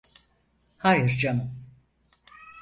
Hayır canım.